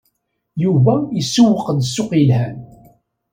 Yuba isewweq-d ssuq yelhan.